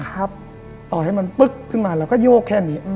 ต่อให้มันปึ๊กขึ้นมาเราก็โยกแค่นี้